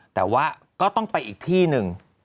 แต่ว่าก็ต้องไปอีกที่หนึ่ง